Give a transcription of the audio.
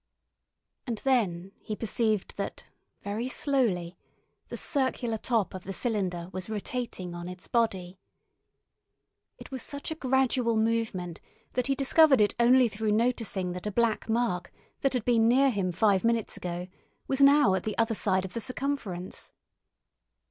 And then he perceived that, very slowly, the circular top of the cylinder was rotating on its body. It was such a gradual movement that he discovered it only through noticing that a black mark that had been near him five minutes ago was now at the other side of the circumference.